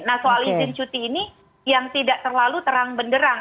nah soal izin cuti ini yang tidak terlalu terang benderang